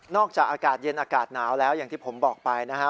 จากอากาศเย็นอากาศหนาวแล้วอย่างที่ผมบอกไปนะฮะ